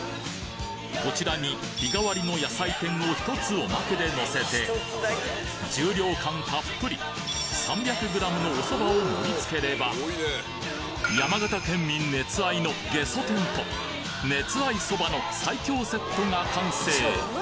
こちらに日替わりの野菜天を１つおまけでのせて重量感たっぷり３００ｇのおそばを盛りつければ山形県民熱愛のゲソ天と熱愛そばの最強セットが完成！